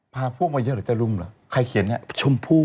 พาพวกมาเยอะหรอจะรุ่มหรอใครเขียนเนี่ย